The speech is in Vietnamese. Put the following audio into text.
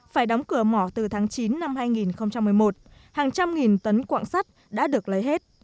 phải đóng cửa mỏ từ tháng chín năm hai nghìn một mươi một hàng trăm nghìn tấn quạng sắt đã được lấy hết